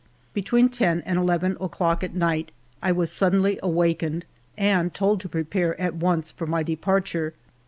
Between ten and eleven o'clock at night I was suddenly awakened and told to prepare at once for my departure.